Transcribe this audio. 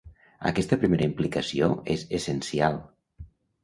Aquesta primera implicació es "essencial".